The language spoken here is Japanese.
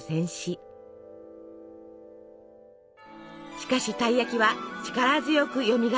しかしたい焼きは力強くよみがえります。